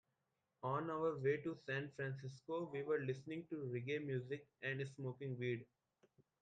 On our way to San Francisco, we were listening to reggae music and smoking weed.